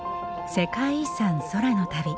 「世界遺産空の旅」。